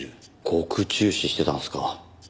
獄中死してたんですか。